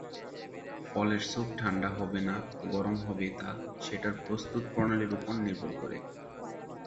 ফলের স্যুপ ঠান্ডা হবে না গরম হবে তা সেটার প্রস্তুত প্রণালীর ওপর নির্ভর করে।